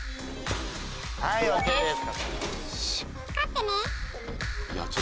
はいＯＫです。